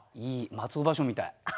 松尾芭蕉みたい。